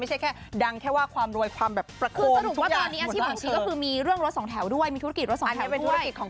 ไม่ใช่แค่ดังแค่ว่าความรวยความแบบประโฆมทุกอย่าง